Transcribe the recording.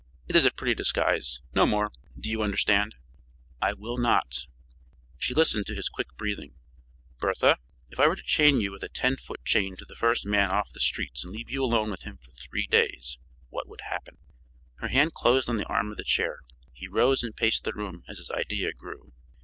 It is a pretty disguise no more. Do you understand?" "I will not." She listened to his quick breathing. "Bertha, if I were to chain you with a ten foot chain to the first man off the streets and leave you alone with him for three days, what would happen?" Her hand closed on the arm of the chair. He rose and paced the room as his idea grew.